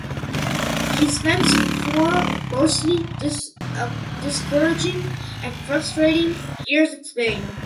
He spent four mostly discouraging and frustrating years in Spain.